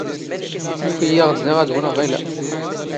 ⵢⵓⴼ ⵉⵢⵉ ⵉⵖ ⴷⴷⵉⵖ ⴰⴷ ⴳⵓⵏⵖ ⵖⵉⵍⴰ.